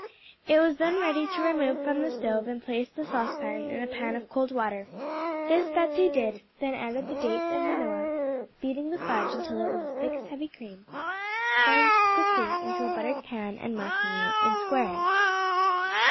It was then ready to remove from the stove and place the saucepan in a pan of cold water; this Betsey did, then added the dates and vanilla; beating the fudge until it was as thick as heavy cream, pouring quickly into a buttered pan and marking it in squares.